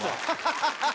ハハハハ！